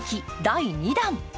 第２弾。